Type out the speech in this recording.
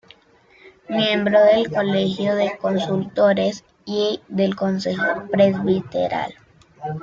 Miembro del Colegio de Consultores y del Consejo Presbiteral.